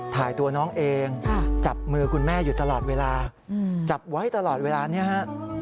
ตัวน้องเองจับมือคุณแม่อยู่ตลอดเวลาจับไว้ตลอดเวลานี้ฮะ